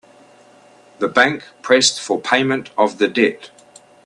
The bank pressed for payment of the debt.